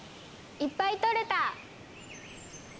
いっぱい採れた！